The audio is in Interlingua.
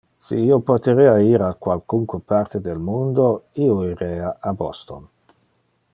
Si io poterea ir a qualcunque parte del mundo, io irea a Boston.